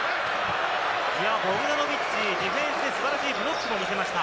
ボグダノビッチ、ディフェンスで素晴らしいブロックを見せました。